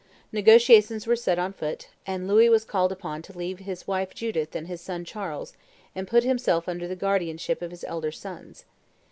Negotiations were set on foot; and Louis was called upon to leave his wife Judith and his son Charles, and put himself under the guardianship of his elder sons.